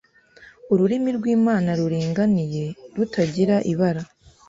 Ururimi rwImana "ruringaniye rutagira ibara